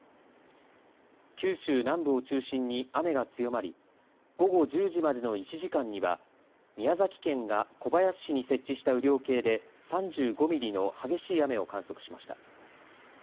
九州南部を中心に雨が強まり午後１０時までの１時間には宮崎県が小林市に設置した雨量計で３５ミリの激しい雨を観測しました。